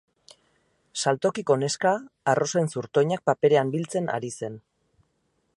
Saltokiko neska arrosen zurtoinak paperean biltzen ari zen.